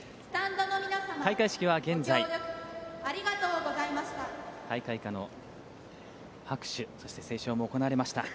開会式は現在、大会歌の拍手、そして斉唱も行われました。